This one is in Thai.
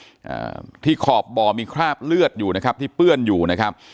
อ่าที่ขอบบ่อมีคราบเลือดอยู่นะครับที่เปื้อนอยู่นะครับ